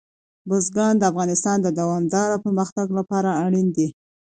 بزګان د افغانستان د دوامداره پرمختګ لپاره اړین دي.